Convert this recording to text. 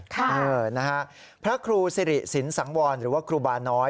เออนะฮะพระครูสิริสินสังวรหรือว่าครูบาน้อย